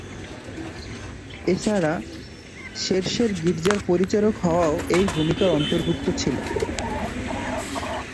এছাড়া, সেরসের গির্জার পরিচারক হওয়াও এই ভূমিকার অন্তর্ভুক্ত ছিল।